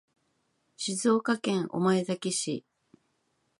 静岡県御前崎市